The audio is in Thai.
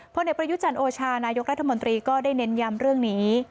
เพราะในประยุจรรย์โอชานายกรัฐมนตรีก็ได้เน้นยำเรื่องนี้